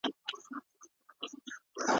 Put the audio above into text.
لګښتونه باید په سمه توګه تنظیم شي.